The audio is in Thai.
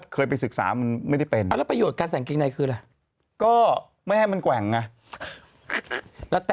มันก็ต้องศึกษาเพราะเคยอย่างนี้เหมือนกันว่า